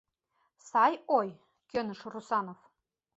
— Сай ой! — кӧныш Русанов.